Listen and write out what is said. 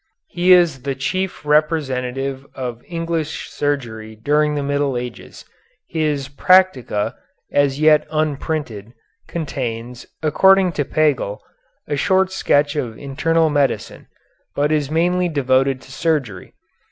He is the chief representative of English surgery during the Middle Ages. His "Practica," as yet unprinted, contains, according to Pagel, a short sketch of internal medicine, but is mainly devoted to surgery.